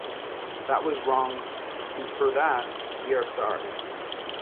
That was wrong, and for that, we are sorry.